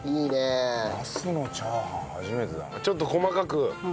ちょっと細かく。